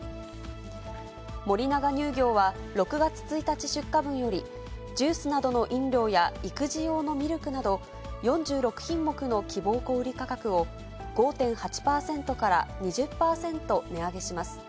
森永乳業は６月１日出荷分より、ジュースなどの飲料や育児用のミルクなど、４６品目の希望小売価格を５．８％から２０％値上げします。